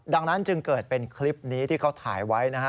ดังนั้นจึงเกิดเป็นคลิปนี้ที่เขาถ่ายไว้นะฮะ